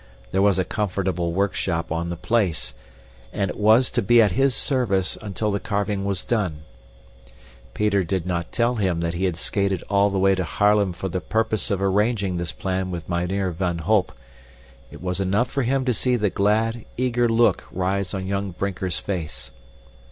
There was a comfortable workshop on the place and it was to be at his service until the carving was done. Peter did not tell him that he had skated all the way to Haarlem for the purpose of arranging this plan with Mynheer van Holp. It was enough for him to see the glad, eager look rise on young Brinker's face.